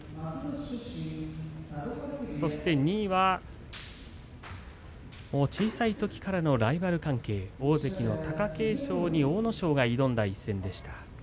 そして２位は小さいときからのライバル関係大関貴景勝に阿武咲が挑んだ一番でした。